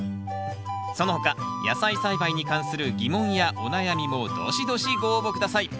その他野菜栽培に関する疑問やお悩みもどしどしご応募下さい。